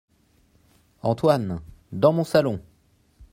Antoine ! dans mon salon !